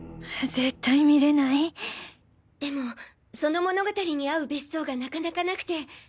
絶対観れないでもその物語に合う別荘がなかなかなくて。